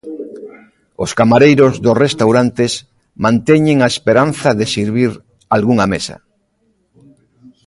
Os camareiros dos restaurantes manteñen a esperanza de servir algunha mesa.